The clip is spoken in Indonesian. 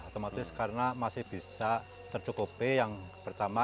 otomatis karena masih bisa tercukupi yang pertama